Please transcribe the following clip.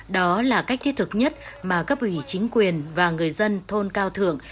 đó là cách thi thực nhất mà các vị chính quyền và người dân thôn cao thượng